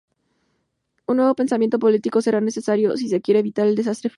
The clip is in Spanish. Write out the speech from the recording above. Un nuevo pensamiento político será necesario si se quiere evitar el desastre final.